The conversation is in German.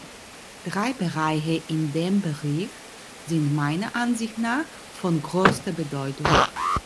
Drei Bereiche in dem Bericht sind meiner Ansicht nach von größter Bedeutung.